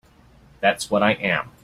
That's what I am.